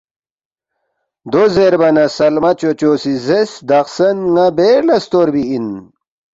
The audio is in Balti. دو زیربا نہ سلمہ چوچو سی زیرس، ”دخسن ن٘ا بیر لہ ستوربی اِن